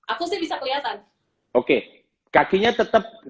aku sih bisa keliatan